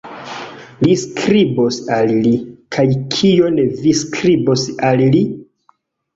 Vi skribos al li! Kaj kion vi skribos al li?